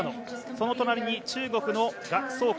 その隣に中国の賀相紅。